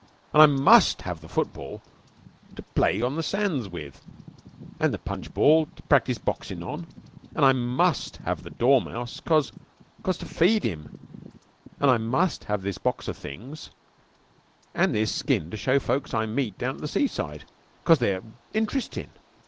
An' I must have the football to play on the sands with, an' the punchball to practise boxin' on, an' I must have the dormouse, 'cause 'cause to feed him, an' I must have this box of things and this skin to show to folks I meet down at the seaside, 'cause they're int'restin'."